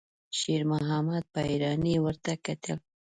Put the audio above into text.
شېرمحمد په حيرانۍ ورته کتل.